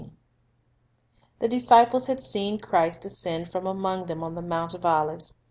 The disciples had seen Christ ascend from among them on the Mount of Olives.